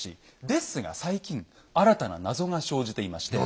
ですが最近新たな謎が生じていまして。